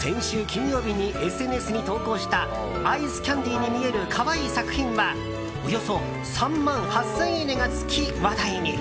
先週金曜日にＳＮＳに投稿したアイスキャンディーに見える可愛い作品はおよそ３万８０００いいねがつき話題に。